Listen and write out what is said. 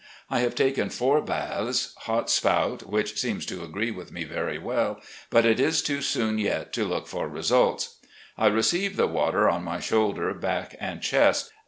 I have taken foiur baths. Hot Spout, which seems to agree with me very well, but it is too soon yet to look for results. I receive the water on my shoul der, back, and chest.